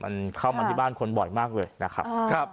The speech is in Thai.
เห็นเข้ามาบ้านคนบ่อยมากเลยครับ